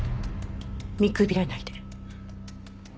見くびらないで。